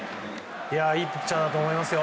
いいピッチャーだと思いますよ。